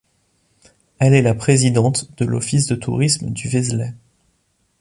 Elle est la présidente de l'office de tourisme de Vézelay.